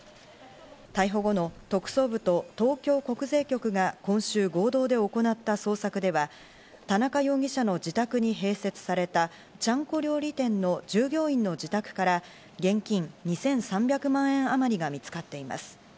逮捕後の特捜部と東京国税局が今週合同で行った捜索では、田中容疑者の自宅に併設された、ちゃんこ料理店の従業員の自宅から現金２３００万円あまりが見つかっています。